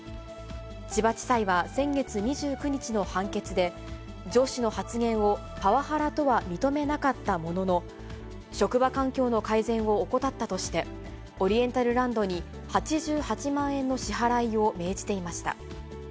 千葉地裁は先月２９日の判決で、上司の発言をパワハラとは認めなかったものの、職場環境の改善を怠ったとして、オリエンタルランドに８８万円の支払いを命じていました。